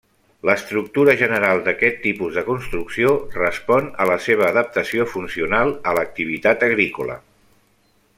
L'estructura general d'aquest tipus de construcció respon a la seva adaptació funcional a l'activitat agrícola.